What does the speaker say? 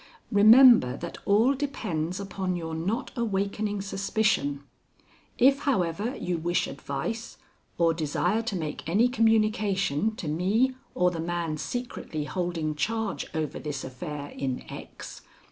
Remember that all depends upon your not awakening suspicion. If, however, you wish advice or desire to make any communication to me or the man secretly holding charge over this affair in X.